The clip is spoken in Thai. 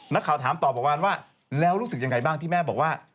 นักข่าวถามต่อประมาณว่าแล้วรู้สึกยังไงบ้างที่แม่บอกว่า